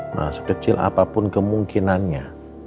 ma sekecil apapun kemungkinannya